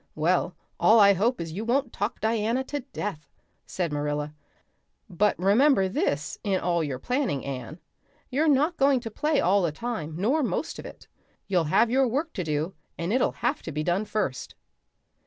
"Well, all I hope is you won't talk Diana to death," said Marilla. "But remember this in all your planning, Anne. You're not going to play all the time nor most of it. You'll have your work to do and it'll have to be done first."